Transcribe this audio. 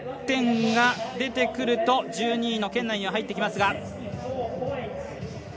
６０点が出てくると１２位の圏内には入ってきますが。